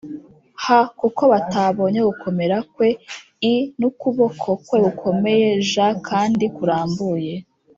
H kuko batabonye gukomera kwe i n ukuboko kwe gukomeye j kandi kurambuye